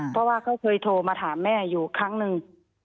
เพราะว่าเขาเคยโทรมาถามแม่อยู่ครั้งหนึ่ง